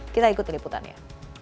kita ikut keliputannya